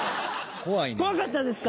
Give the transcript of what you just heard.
怖かったですか？